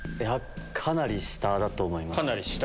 かなり下だと思います。